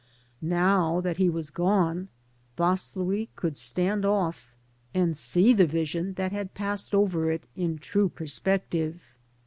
Now that he was gone, Vaslui could stand off and see the vision that had passed over it in true perspective.